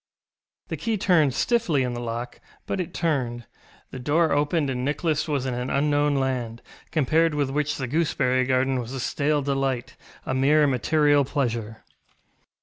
The key turned stiffly in the lock, but it turned. The door opened, and Nicholas was in an unknown land, compared with which the gooseberry garden was a stale delight, a mere material pleasure.